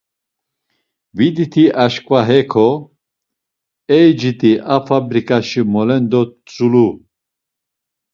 Viditi aşǩva heko… Ey cidi a fabrikaşi molendo tzuluuu…